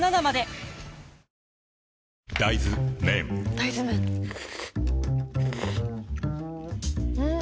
大豆麺ん？